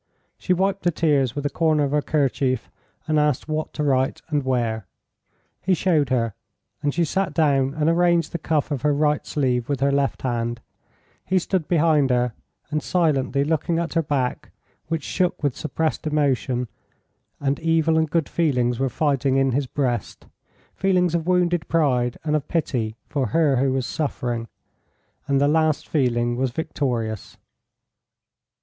She wiped the tears with a corner of her kerchief, and asked what to write and where. He showed her, and she sat down and arranged the cuff of her right sleeve with her left hand; he stood behind her, and silently looked at her back, which shook with suppressed emotion, and evil and good feelings were fighting in his breast feelings of wounded pride and of pity for her who was suffering and the last feeling was victorious.